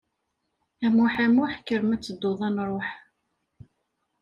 A Muḥ a Muḥ, kker ma tedduḍ ad nṛuḥ.